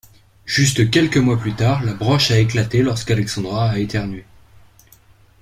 Juste quelques mois plus tard, la broche a éclaté lorsque Alexandra a éternué.